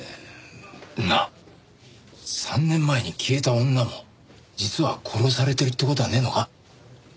なあ３年前に消えた女も実は殺されてるって事はねえのか？